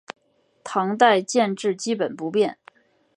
唐代建制基本不变。